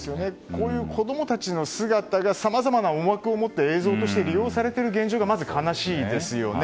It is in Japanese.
こういう子供たちの姿がさまざまな思惑をもって映像として利用されている現状がまず、悲しいですよね。